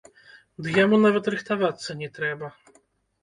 Ды яму нават рыхтавацца не трэба!